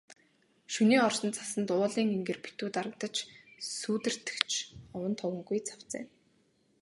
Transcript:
Шөнийн орсон цасанд уулын энгэр битүү дарагдаж, сүүдэртэх ч овон товонгүй цавцайна.